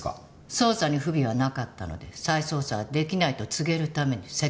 捜査に不備はなかったので再捜査はできないと告げるために接見しました。